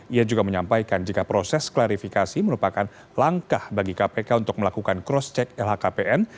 ia juga menyampaikan jika proses klarifikasi merupakan langkah bagi kpk untuk melakukan cross check lhkpn